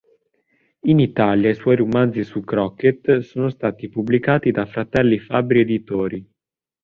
In Italia i suoi romanzi su Crockett sono stati pubblicati da Fratelli Fabbri Editori.